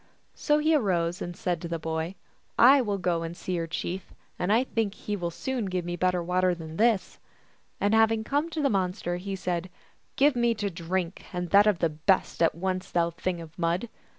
So he arose, and said to the boy, " I will go and see your chief, and I think he will soon give me bet 118 THE ALGONQUIN LEGENDS. ter water than this." And having come to the mon ster, he said, " Give me to drink, and that of the best, at once, thou Thing of Mud